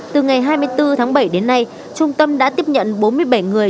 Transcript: từ ngày hai mươi bốn tháng bảy đến nay trung tâm đã tiếp nhận bốn mươi bảy người